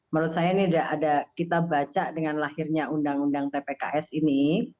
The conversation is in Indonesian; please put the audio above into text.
menurut saya ini sudah ada kita baca dengan lahirnya undang undang tpks ini